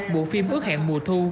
bộ phim ước hẹn mùa thu